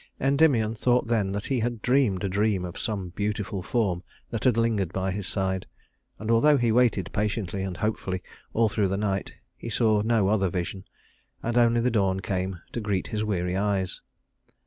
Endymion thought then that he had dreamed a dream of some beautiful form that had lingered by his side, and although he waited patiently and hopefully all through the night, he saw no other vision, and only the dawn came to greet his weary eyes.